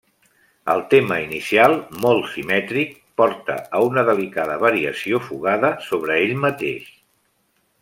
El tema inicial, molt simètric, porta a una delicada variació fugada sobre ell mateix.